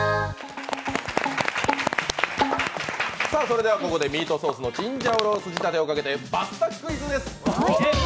それではここでミートソースのチンジャオロース仕立てをかけてパスタクイズです。